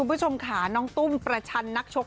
คุณผู้ชมค่ะน้องตุ้มประชันนักชก